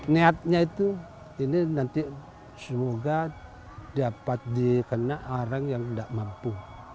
niatnya itu ini nanti semoga dapat dikena orang yang tidak mampu